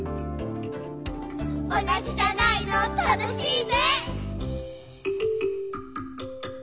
「おなじじゃないのたのしいね」